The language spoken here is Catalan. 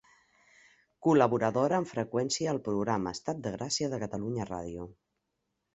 Col·laboradora amb freqüència al programa Estat de Gràcia de Catalunya Ràdio.